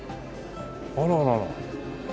あららら。